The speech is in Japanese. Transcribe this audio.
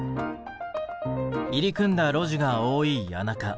入り組んだ路地が多い谷中。